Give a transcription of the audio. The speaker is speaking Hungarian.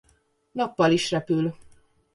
Nappal is repül.